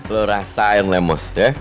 lo rasain lemus ya